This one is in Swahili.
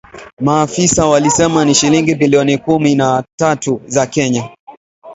Maafisa walisema ni shilingi bilioni kumi na tatu za Kenya